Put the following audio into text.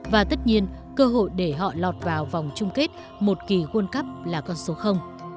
và tất nhiên cơ hội để họ lọt vào vòng chung kết một kỳ world cup là con số